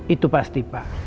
itu pasti pak